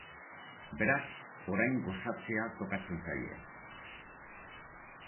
Beraz, orain gozatzea tokatzen zaie.